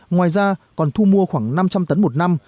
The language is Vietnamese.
ngoài ra còn thu mua khoảng năm trăm linh tấn một năm